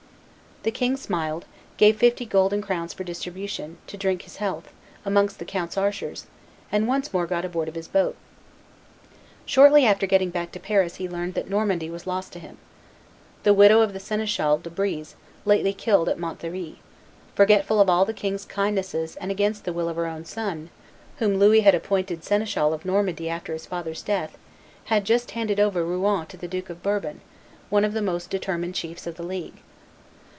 The king smiled; gave fifty golden crowns for distribution, to drink his health, amongst the count's archers, and once more got aboard of his boat. Shortly after getting back to Paris he learned that Normandy was lost to him. The widow of the seneschal, De Breze, lately killed at Montlhery, forgetful of all the king's kindnesses and against the will of her own son, whom Louis had appointed seneschal of Normandy after his father's death, had just handed over Rouen to the Duke of Bourbon, one of the most determined chiefs of the League.